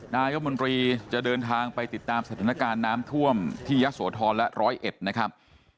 นายมนตรีจะเดินทางไปติดตามสถานการณ์น้ำท่วมที่ยะโสธรและร้อยเอ็ดนะครับ